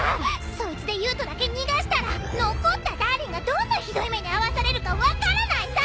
そいつで優人だけ逃がしたら残ったダーリンがどんなひどい目に遭わされるか分からないさ！